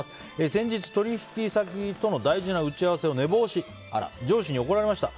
先日、取引先との大事な打ち合わせを寝坊し上司に怒られました。